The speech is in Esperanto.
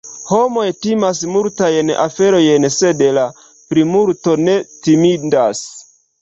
Homoj timas multajn aferojn, sed la plimulto ne timindas.